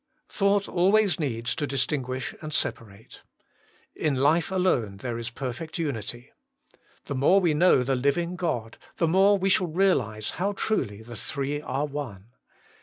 1. Thought always needs to distinguish and separate : in life alone there is perfect unity. The more we know the living God, the more we shall realize how truly the Three are One.